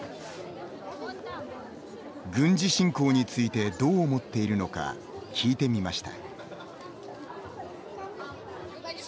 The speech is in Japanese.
軍事侵攻についてどう思っているのか聞いてみました。